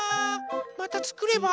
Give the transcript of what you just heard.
またつくれば？